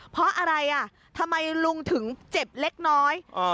เพราะอะไรอ่ะทำไมลุงถึงเจ็บเล็กน้อย